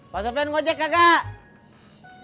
pak sofian asleep nggak